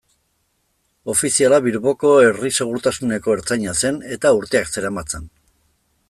Ofiziala Bilboko herri-segurtasuneko ertzaina zen, eta urteak zeramatzan.